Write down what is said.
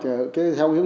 theo kế hoạch